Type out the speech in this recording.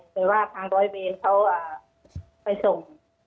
แต่ว่าทาง๑๒วีรเขาไปส่ง